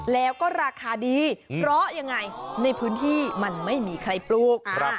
แล้วก็ราคาดีเพราะยังไงในพื้นที่มันไม่มีใครปลูก